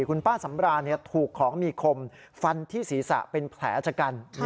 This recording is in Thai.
คุณป้าสำรานถูกของมีคมฟันที่ศีรษะเป็นแผลชะกัน